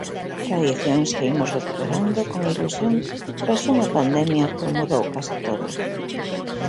Tradicións que imos recuperando con ilusión tras unha pandemia que o mudou case todo.